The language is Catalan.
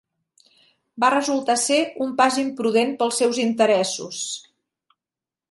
Va resultar ser un pas imprudent per als seus interessos.